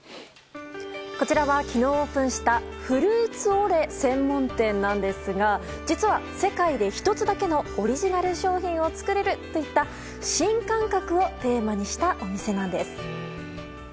こちらは昨日オープンしたフルーツオレの専門店なんですが実は世界で１つだけのオリジナル商品を作れるといった新感覚をテーマにしたお店なんです。